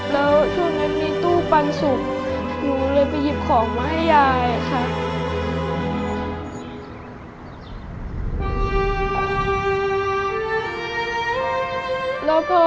แล้วช่วงนั้นมีตู้ปันสุกหนูเลยไปหยิบของมาให้ยายค่ะ